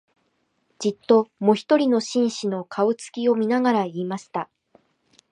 じっと、もひとりの紳士の、顔つきを見ながら言いました